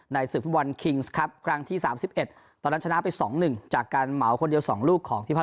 ในศึกฝุ่นคิงสครับครั้งที่๓๑